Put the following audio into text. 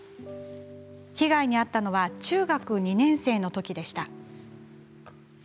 被害に遭ったのは中学２年生のときでした。